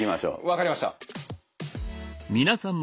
分かりました。